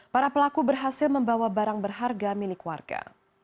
para pelaku berhasil membawa barang berharga milik warga